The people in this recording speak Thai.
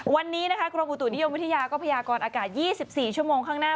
วันนี้นะคะกรมอุตุนิยมวิทยาก็พยากรอากาศ๒๔ชั่วโมงข้างหน้า